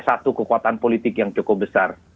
satu kekuatan politik yang cukup besar